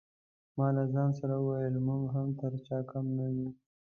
ما له ځان سره وویل موږ هم تر چا کم نه یو.